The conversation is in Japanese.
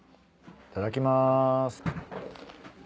いただきます。